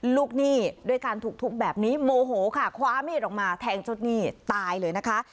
หนี้ด้วยการถูกทุบแบบนี้โมโหค่ะคว้ามีดออกมาแทงเจ้าหนี้ตายเลยนะคะ